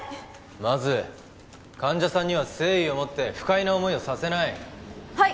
まず患者さんには誠意を持って不快な思いをさせないはいっ